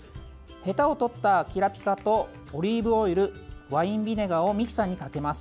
へたを取ったきらぴ香とオリーブオイルワインビネガーをミキサーにかけます。